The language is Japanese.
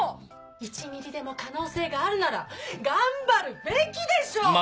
１ミリでも可能性があるなら頑張るべきでしょ！